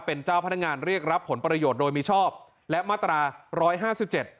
เป็นเจ้าพนักงานเรียกรับผลประโยชน์โดยมิชอบและมาตราร้อยห้าสิบเจ็ด